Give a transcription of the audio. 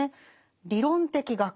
「理論的学」